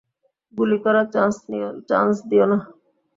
গুলি করার চান্স দিও না!